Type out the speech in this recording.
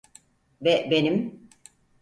Ve benim.